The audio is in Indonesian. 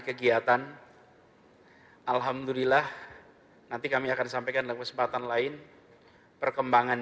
kegiatan alhamdulillah nanti kami akan sampaikan dalam kesempatan lain perkembangan